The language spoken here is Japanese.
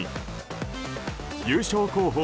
優勝候補